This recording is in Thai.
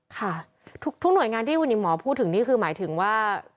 ค่ะทุกหน่วยงานที่คุณหญิงหมอพูดถึงนี่คือหมายถึงว่า